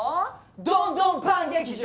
ドンドンパン劇場。